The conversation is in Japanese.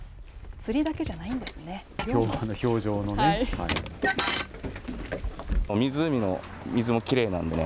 釣りだけじゃないんですね。